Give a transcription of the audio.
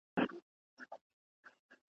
یا د میني په امید یو تخنوي مو راته زړونه `